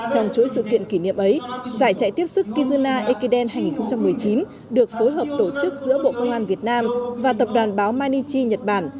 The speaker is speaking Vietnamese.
trong chuỗi sự kiện kỷ niệm ấy giải chạy tiếp sức kizuna ekiden hai nghìn một mươi chín được phối hợp tổ chức giữa bộ công an việt nam và tập đoàn báo manichi nhật bản